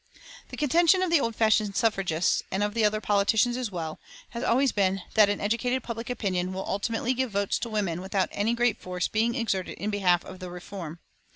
The contention of the old fashioned suffragists, and of the politicians as well, has always been that an educated public opinion will ultimately give votes to women without any great force being exerted in behalf of the reform.